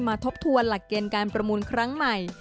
ทบทวนหลักเกณฑ์การประมูลครั้งใหม่